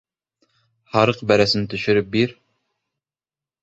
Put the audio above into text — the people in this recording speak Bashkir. Һарыҡ бәрәсен төшөрөп бир...